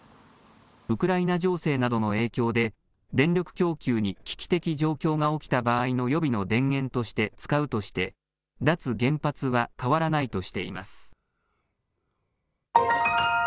ウクライナ情勢などの影響で、電力供給に危機的状況が起きた場合の予備の電源として使うとして、脱原発は変わらないとしています。